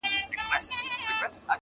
وزیران وه که قاضیان د ده خپلوان وه!